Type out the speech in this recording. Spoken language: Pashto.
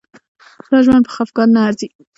دا ژوند په خفګان نه ارزي.